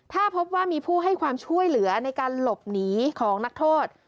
ถ้าพบว่ามีผู้ให้ความช่วยเหลือในการหลบหนีของนักโทษ